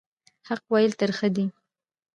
حق ویل ترخه دي